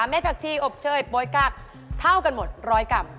เด็ดผักชีอบเชยโป๊ยกักเท่ากันหมดร้อยกรัม